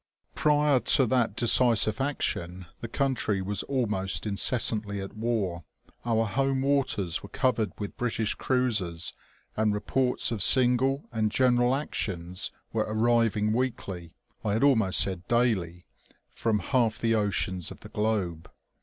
Prior to that de cisive action the country was almost incessantly at war. Our home waters were covered with British cruisers, and reports of single and general actions were arriving weekly, I had almost said daily, from half the oceans of the globe.